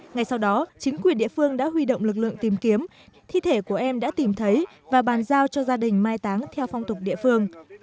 ngay sau đó chính quyền địa phương đã huy động lực lượng tìm kiếm thi thể của em đã tìm thấy và bàn giao cho gia đình mai táng theo phong tục địa phương